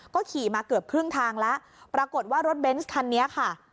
ก็ขี่มาเกือบครึ่งทางแล้วปรากฏว่ารถเบนส์คันนี้ค่ะ